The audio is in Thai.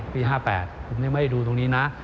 ปี๕๘ไม่ได้ดูตรงนี้นะ